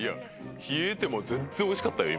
冷えても全然おいしかったよ